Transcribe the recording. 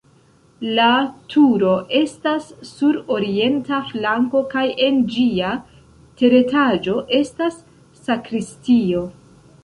La turo estas sur orienta flanko kaj en ĝia teretaĝo estas sakristio.